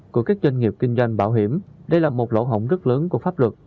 các doanh nghiệp kinh doanh bảo hiểm đây là một lỗ hổng rất lớn của pháp luật